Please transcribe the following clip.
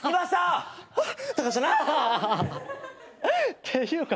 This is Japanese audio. ってゆうか